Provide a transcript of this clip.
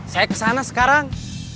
saya kesana sekarang